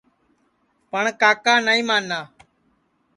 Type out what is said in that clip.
پٹؔ کاکا نائی مانا